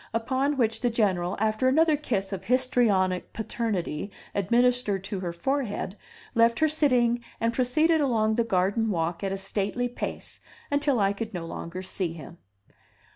Upon which the General, after another kiss of histrionic paternity administered to her forehead, left her sitting and proceeded along the garden walk at a stately pace, until I could no longer see him.